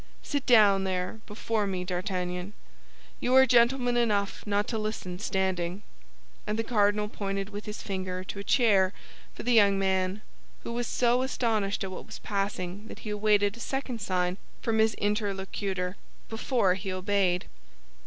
Sit down there, before me, D'Artagnan; you are gentleman enough not to listen standing." And the cardinal pointed with his finger to a chair for the young man, who was so astonished at what was passing that he awaited a second sign from his interlocutor before he obeyed.